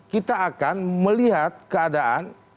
kita akan melihat keadaan